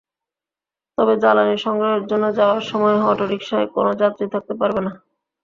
তবে জ্বালানি সংগ্রহের জন্য যাওয়ার সময় অটোরিকশায় কোনো যাত্রী থাকতে পারবে না।